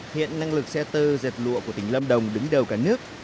hiện năng lực xe tơ dệt lụa của tỉnh lâm đồng đứng đầu cả nước